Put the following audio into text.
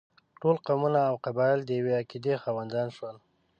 ټول قومونه او قبایل د یوې عقیدې خاوندان شول.